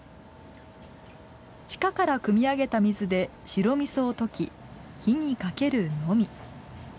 地下からくみあげた水で白みそを溶き火にかけるのみ。